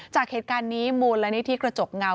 จากเหตุการณ์นี้มูลนิธิกระจกเงา